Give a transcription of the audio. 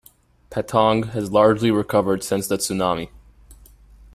Patong has largely recovered since the tsunami.